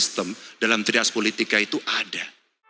atau mundur mundur di dua ribu lima